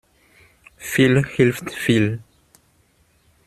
Viel hilft viel.